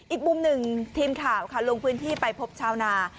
อีกมุมหนึ่งทีมข่าวค่ะลงพื้นที่ไปพบชาวนา